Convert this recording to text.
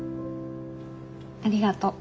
ありがとう。